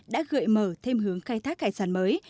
đã gợi mở thêm hướng khai thác hải sản mới